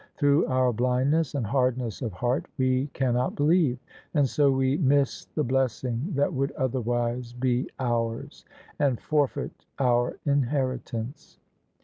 Through our blindness and hardness of heart we cannot believe; and so we miss the blessing that would otherwise be ours, and forfeit our inheritance.